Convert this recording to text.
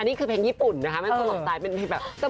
อันนี้คือเพลงญี่ปุ่นนะคะมันสมบัติเป็นเพลงแบบ